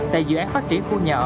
tại dự án phát triển khu nhà ở